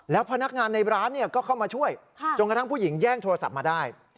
พนักงานในร้านก็เข้ามาช่วยจนกระทั่งผู้หญิงแย่งโทรศัพท์มาได้